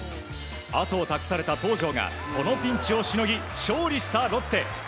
後を託された東條がこのピンチをしのぎ勝利したロッテ。